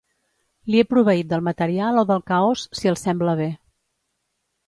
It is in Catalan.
Li he proveït del material o del caos, si els sembla bé.